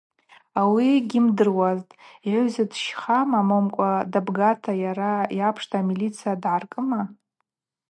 Ауи йыгьйымдыруазтӏ, йыгӏвза дщхама, момкӏва дабгата йара йапшта амилиция дгӏаркӏыма?